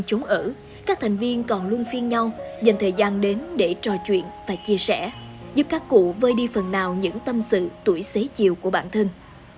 chúng ở các thành viên còn luôn phiên nhau dành thời gian đến để trò chuyện và chia sẻ giúp các cụ vơi đi phần nào những tâm sự tuổi xế chiều của bản thân